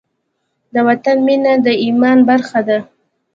د وطن مینه د ایمان برخه ده.